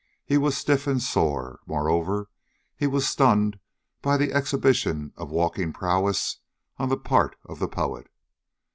He was stiff and sore. Moreover, he was stunned by the exhibition of walking prowess on the part of the poet.